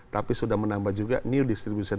tapi sudah menambah juga new distribution